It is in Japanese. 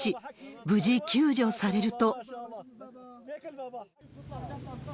無事救助されると。